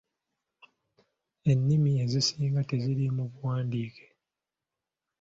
Ennimi ezisinga teziri mu buwandiike.